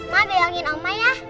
mau bilangin oma ya